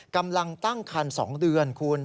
กำลังตั้งครรภ์๒เดือนคูณ